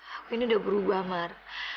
oh ini udah berubah mar